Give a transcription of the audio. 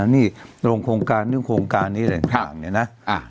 นี่โรงโครงการโรงโครงการนี้แหล่งข้างเนี้ยนะอ่า